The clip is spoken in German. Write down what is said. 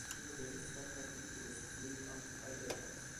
Die hohe Gerichtsbarkeit übte das Pflegamt Heideck aus.